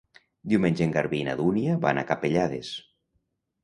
Diumenge en Garbí i na Dúnia van a Capellades.